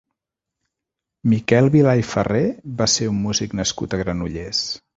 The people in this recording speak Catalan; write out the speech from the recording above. Miquel Vilà i Ferrer va ser un músic nascut a Granollers.